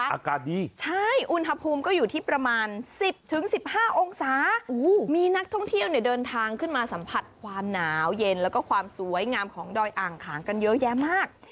อากาศดีใช่อุณหภูมิก็อยู่ที่ประมาณ๑๐๑๕องศามีนักท่องเที่ยวเนี่ยเดินทางขึ้นมาสัมผัสความหนาวเย็นแล้วก็ความสวยงามของดอยอ่างขางกันเยอะแยะมาก